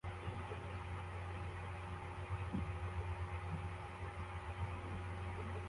hamwe ninigi nyinshi zinywa mumacupa yamazi ahantu hanze